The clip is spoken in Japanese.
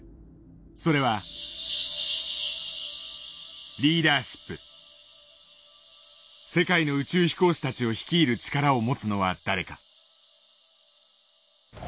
それは世界の宇宙飛行士たちを率いる力を持つのは誰か。